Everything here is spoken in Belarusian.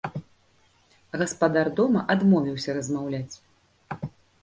Гаспадар дома адмовіўся размаўляць.